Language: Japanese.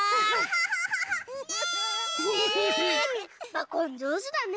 バコンじょうずだね！